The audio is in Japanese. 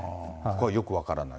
よく分からない。